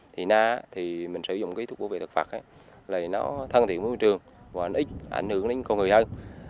thì nà thì mình sử dụng cái thuốc bảo vệ thực vật là nó thăng thiện môi trường và ảnh hưởng đến con người hơn